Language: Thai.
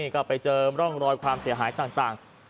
ก็ไปเจอร่องรอยความเสียหายต่าง